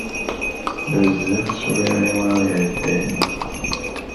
Bezzaf swiɣ iḍ-a iɛeddan.